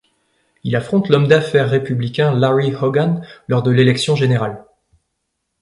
Il affronte l'homme d'affaires républicain Larry Hogan lors de l'élection générale.